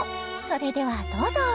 それではどうぞ！